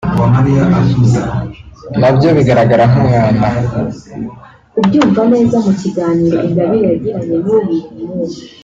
… na byo bigaragara nk’umwanda)